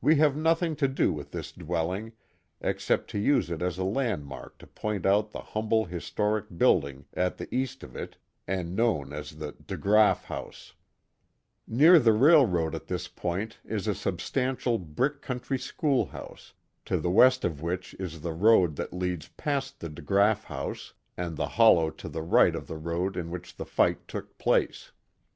We have nothing to do with this dwelling except to use it as a landmark to point out the humble historic building at the east of it and known as the DeGraaf house. 66 The Mohawk Valley Near the railroad at this point is a substantial brick coun try schoolhouse, to the west of which is the road that leads past the DeGraaf house and the hollow to the right of the road fn which the fight took place.